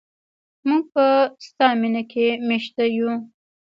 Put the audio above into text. موږ په ستا مینه کې میشته یو.